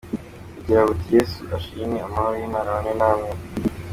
Bugira buti “Yesu ashimwe! Amahoro y’Imana abane namwe.